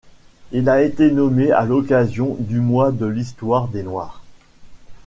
Il a été nommé à occasion du Mois de l'histoire des Noirs.